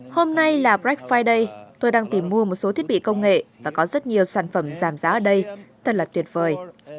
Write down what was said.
hôm nay là brex friday tôi đang tìm mua một số thiết bị công nghệ và có rất nhiều sản phẩm giảm giá ở đây thật là tuyệt vời